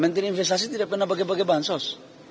menteri investasi tidak pernah pakai pakai bansos